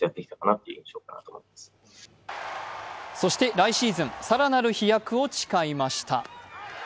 来シーズン、更なる飛躍を誓いました。